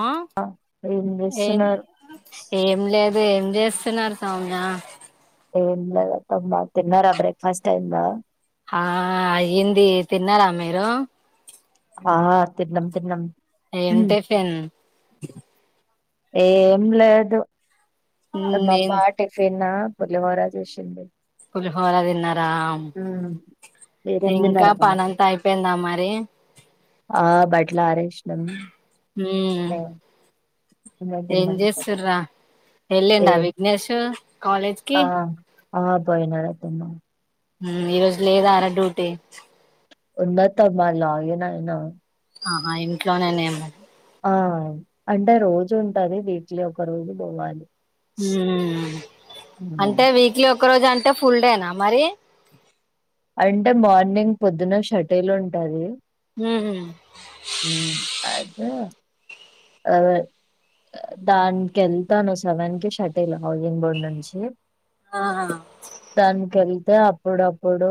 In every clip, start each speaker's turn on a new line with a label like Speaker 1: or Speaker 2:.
Speaker 1: ఆ
Speaker 2: ఏం
Speaker 1: ఏ
Speaker 2: చేస్తున్నారు
Speaker 1: ఏం లే అ ఏం చేస్తున్నారు కాౌజ
Speaker 2: ఏప్పమ్ తిన్నారా బ్రేక్ఫాస్ట్ టైమ్ నా
Speaker 1: ఆ అయ్యింది తిన్నారా మీరు
Speaker 2: ఆ తిన్నాం తిర్న్నాం
Speaker 1: ఏంటే ఫిన్
Speaker 2: ఏం లేదు
Speaker 1: ఉమ్, ఏం
Speaker 2: మామ్మ టిఫిన్ పర్లివరా చేసింది
Speaker 1: పుల్హోాల విన్నాన్నారు
Speaker 2: ఉమ్,
Speaker 1: రా
Speaker 2: మీరేం
Speaker 1: ఇంకా
Speaker 2: తిన్నారు అక్క
Speaker 1: పనంతా అయిపోయిందా మరి
Speaker 2: ఆ బడ్లరేష్ణం
Speaker 1: ఉమ్ ఏం చేస్తురా
Speaker 2: ఏ
Speaker 1: వెళ్ళండా విఘ్నేష్ కాలేజ్కిి
Speaker 2: ఆ ఆ పోయనాడతుమ్న్నా
Speaker 1: ఈరోోజు లేదాార డ్యూటీ
Speaker 2: ఉన్నత మళగేననా
Speaker 1: ఆహా ఇంట్లోనేనేమడి
Speaker 2: ఆ అంటే రోజు ఉంటది వీటిలో ఒక రోజు పోవాలి ఆ.
Speaker 1: అంటే వీక్లీ ఒక రోజు అంటే ఫుల్డేనా మరి
Speaker 2: అంటే మార్నింగ్ పొద్దున షటేల్ ఉంటది
Speaker 1: ఉమ్
Speaker 2: అద అ దానినికి వెళ్తాను సెవెన్ కి షటిల్ హౌజింగ్ బోర్డ్ నుంచి
Speaker 1: ఆ
Speaker 2: తన్ కవి అయితే అప్పుడప్పుడు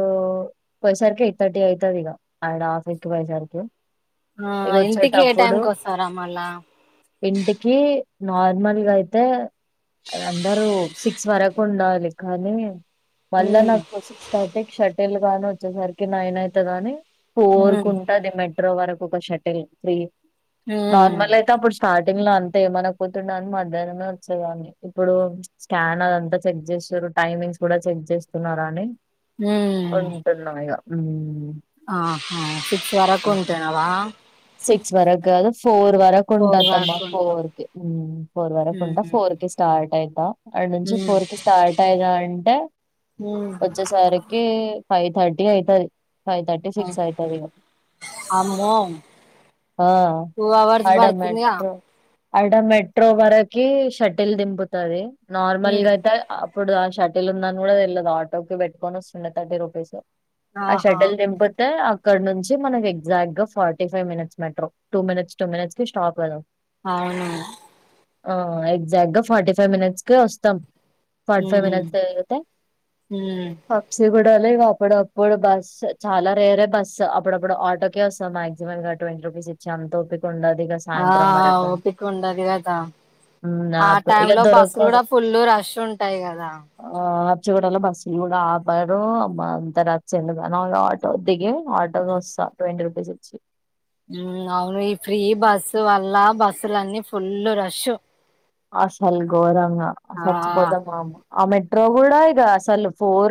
Speaker 2: పోయేసరికి ఎయిట్ థర్టీ అవుతది ఇక అండ్ ఆఫీస్ కి పోయేసరికి
Speaker 1: ఆ ఇంటికి ఏ టైంకి వస్తారామ్మళ
Speaker 2: ఎంతకి నార్మల్గా అయితే అందరూ సిక్స్ వరకు ఉండాలి కానీ మళ్ళా
Speaker 1: ఉమ్
Speaker 2: నాకు సిక్స్ థర్టీ షటిల్ గాని వచ్చేసరికి నైన్ అవుతుదని
Speaker 1: ఉమ్
Speaker 2: కోరుకుంటుది మెట్రో వరకు ఒక షటిల్ ఫ్రీ
Speaker 1: హ
Speaker 2: అయి అప్పుడు స్టార్టింగ్ లో అంత అే ఏమన పోతుండ అని మధ్యాహ్నం వచ్చేదాన్ని ఇప్పుడు స్కాన్ అదంతా చెక్ చేారు టైమింగ్ కూడా చెక్ చేస్తున్న అని
Speaker 1: ఉమ్
Speaker 2: ఉంటున్నా
Speaker 1: ఆహా ఫిక్స్ వరకు ఉంటానావా
Speaker 2: వర ఫోర్ ఉంటాదమ్మా
Speaker 1: వరకు ఉంటావ్
Speaker 2: ఫోర్ కి ఫోర్ వరకు ఉంటా
Speaker 1: ఉమ్
Speaker 2: ఫోర్ కి స్టార్ట్ అవుతా అడి నుంచి
Speaker 1: ఉమ్
Speaker 2: పూరికి స్టార్ట్ అయిదా అంటే
Speaker 1: ఉమ్
Speaker 2: వచ్చేసరికి ఫైవ్ థర్టీ అయితది ఫైవ్ థర్టీ సిక్స్ అవుతుది
Speaker 1: అమ్మో
Speaker 2: ఆ
Speaker 1: టూ అవర్స్
Speaker 2: అడ
Speaker 1: పడుతుందిగా
Speaker 2: మెట్రో అడ మెట్రో వరకి షటిల్ దింపుతుంది నార్మల్ గా
Speaker 1: ఉమ్
Speaker 2: అయితే అప్పుడు షటిల్ ఉందని కూడా తెల్లదు ఆటో కి పెట్టుకొని వస్తుండే థర్టీ రూపీస్ ఆ
Speaker 1: ఆహా
Speaker 2: షడల్ నింపత్ ఇక్కడ నుంచి మనకి ఎగ్జాక్ట్ గా forty five minutes metro two minutes two మినిట్స్ి stop అదం
Speaker 1: అవును
Speaker 2: ఆ ఎగ్జాక్ట్ గా ఫార్టీ ఫైవ్ మినిట్స్ కి వస్తాం ఫార్టీ ఫైవ్
Speaker 1: ఉమ్ ఉమ్
Speaker 2: మట్స్ప్సి కూడా ఇప్పుడు అప్పుడు బస్ చాలా రేరే బస్ అప్పుడప్పుడు ఆటోకే వస్తాం మాక్సిమం ఇ ట్వంటీ రూపీస్ ఇచ్చాం తోప్పిక
Speaker 1: ఆ ఓపిక ఉడా అదిగాదా
Speaker 2: ఉమ్
Speaker 1: ఆ
Speaker 2: అప్పుడు
Speaker 1: టై
Speaker 2: ఇగ
Speaker 1: లో బస్సులు
Speaker 2: దొరకదు
Speaker 1: కూడా ఫుల్లు రష్ ఉంటాయి కదా
Speaker 2: చ్చ కూడాడలో బస్సులు కూడా ఆపాారు అమ్మ అంత రచ్చిదు కానీ వాళ్ళ ఆటో దిగి ఆటోగా వస్తా ట్వంటీ రూపీస్ వచ్చి
Speaker 1: హ అవును ఈ ఫ్రీ బస్సు అల్లా బస్సులన్నీ ఫుల్ రష్
Speaker 2: అసలు గోరంగా
Speaker 1: ఆ
Speaker 2: సచ్చిపోతమ్మా అమ్మ ఆ మెట్రో కూడాడా ఇక అసలు ఫోర్